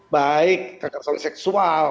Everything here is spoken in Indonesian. baik kekesan seksual